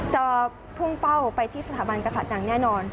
จะพุ่งเป้าไปที่สถาบันกษัตริย์อย่างแน่นอน